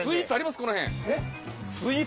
この辺。